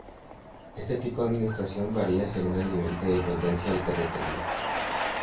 Este tipo de administración varía según el nivel de dependencia del territorio.